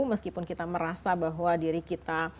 meskipun kita merasa bahwa diri kita